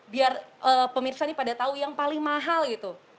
biar pemirsa nih pada tahu yang paling mahal gitu